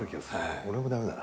俺も駄目だな。